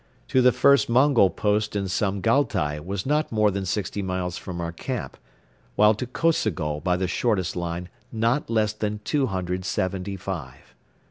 To the first Mongol post in Samgaltai was not more than sixty miles from our camp, while to Kosogol by the shortest line not less than two hundred seventy five.